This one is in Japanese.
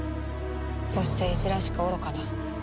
そしていじらしく愚かだ。